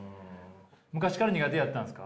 昔から苦手やったんですか？